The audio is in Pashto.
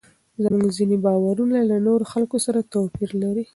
زموږ ځینې باورونه له نورو خلکو سره توپیر لري.